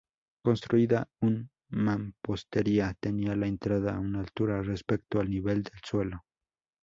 Construida en mampostería, tenía la entrada a una altura respecto al nivel del suelo.